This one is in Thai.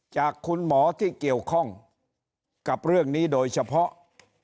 จากคุณหมอที่เกี่ยวข้องกับเรื่องนี้โดยเฉพาะ